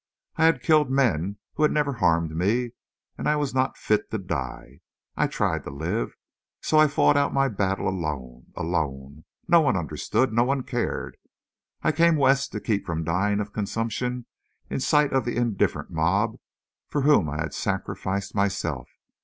I had killed men who never harmed me—I was not fit to die.... I tried to live. So I fought out my battle alone. Alone!... No one understood. No one cared. I came West to keep from dying of consumption in sight of the indifferent mob for whom I had sacrificed myself.